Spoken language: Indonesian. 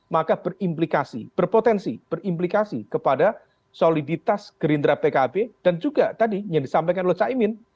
maka berpotensi berimplikasi kepada soliditas gerindra pkb dan juga tadi yang disampaikan lo cak imin